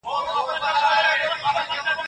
شمعي ته به نه وایو لمبه به سو بورا به سو